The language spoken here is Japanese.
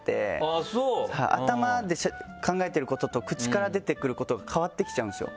あぁそう？頭で考えてることと口から出てくることが変わってきちゃうんですよ。